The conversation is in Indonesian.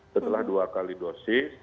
setelah dua kali dosis